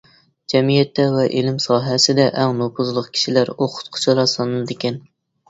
جەمئىيەتتە ۋە ئىلىم ساھەسىدە ئەڭ نوپۇزلۇق كىشىلەر ئوقۇتقۇچىلار سانىلىدىكەن.